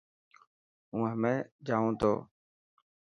هون همي جانون ٿو.